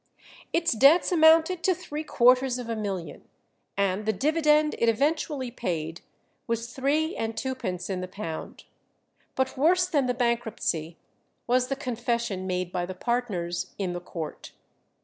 Its debts amounted to three quarters of a million, and the dividend it eventually paid was three and twopence in the pound. But worse than the bankruptcy was the confession made by the partners in the court.